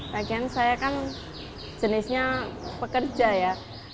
bagian saya kan jenisnya pekerja ya